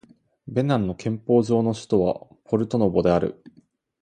ベナンの憲法上の首都はポルトノボである